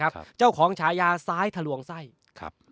เจ้าของฉายาซ้ายทะลวงไส้ครับ